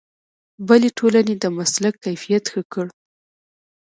بلې ټولنې د مسلک کیفیت ښه کړ.